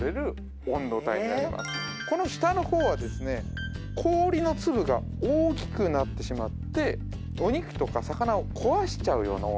この下の方はですね氷の粒が大きくなってしまってお肉とか魚を壊しちゃうような温度帯なんですね